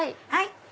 はい。